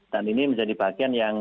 dan ini menjadi bagian yang